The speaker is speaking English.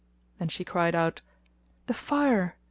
Then she cried out, "The fire!